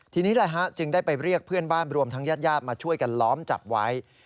ทีนี้จึงได้ไปเรียกเพื่อนบ้านรวมทั้งญาติญาติมาช่วยกันล้อมจับไว้